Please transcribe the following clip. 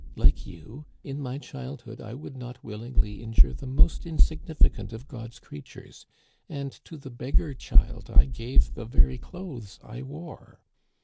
Like you, in my childhood I would not will ingly injure the most insignificant of God's creatures, and to the beggar child I gave the very clothes I wore.